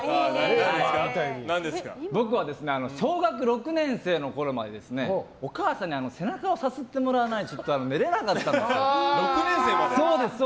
僕は小学６年生のころまでお母さんに背中をさすってもらわないと寝れなかったんですよ。